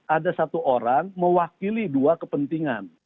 ada satu orang mewakili dua kepentingan